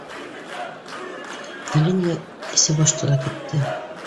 Әллә ниңә эсе бошто ла китте